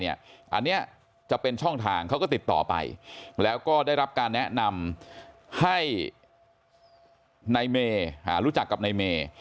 อันนี้จะเป็นช่องทางเขาก็ติดต่อไปแล้วก็ได้รับการแนะนำให้นายเมย์รู้จักกับนายเมย์